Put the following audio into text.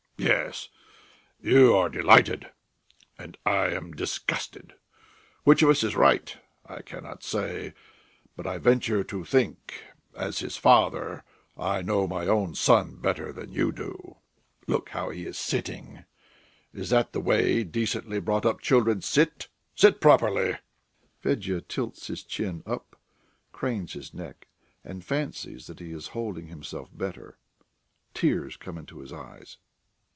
"Yes, you are delighted, and I am disgusted. Which of us is right, I cannot say, but I venture to think as his father, I know my own son better than you do. Look how he is sitting! Is that the way decently brought up children sit? Sit properly." Fedya tilts his chin up, cranes his neck, and fancies that he is holding himself better. Tears come into his eyes.